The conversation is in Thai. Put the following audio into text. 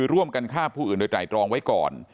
ร่วมกันฆ่าผู้อื่นโดยไตรตรองไว้ก่อน